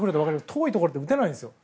遠いところで打てないんですよ。